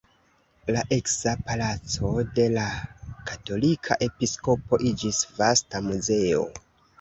La eksa palaco de la katolika episkopo iĝis vasta muzeo.